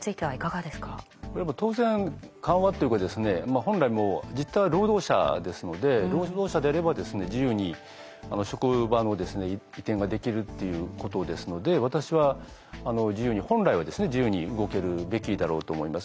これ当然緩和っていうか本来実態は労働者ですので労働者であれば自由に職場の移転ができるっていうことですので私は本来は自由に動けるべきだろうと思います。